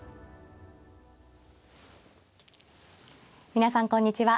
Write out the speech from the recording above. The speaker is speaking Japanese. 皆さんこんにちは。